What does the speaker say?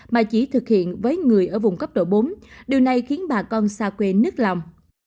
mà chỉ thực hiện với người ở vùng cấp độ bốn điều này khiến bà con xa quê nức lòng